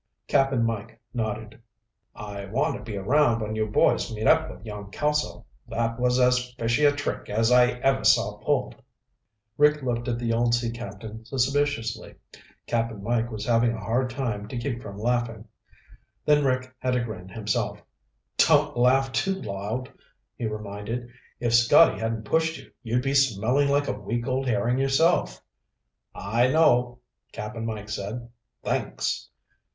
Cap'n Mike nodded. "I want to be around when you boys meet up with young Kelso. That was as fishy a trick as I ever saw pulled." Rick looked at the old sea captain suspiciously. Cap'n Mike was having a hard time to keep from laughing. Then Rick had to grin himself. "Don't laugh too loud," he reminded. "If Scotty hadn't pushed you, you'd be smelling like a week old herring yourself." "I know," Cap'n Mike said. "Thanks."